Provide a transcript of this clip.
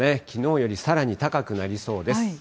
きのうよりさらに高くなりそうです。